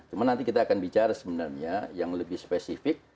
cuma nanti kita akan bicara sebenarnya yang lebih spesifik